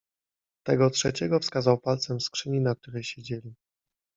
Tego trzeciego wskazał palcem w skrzyni, na której siedzieli.